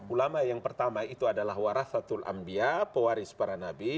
ulama yang pertama itu adalah warahatul ambiya pewaris para nabi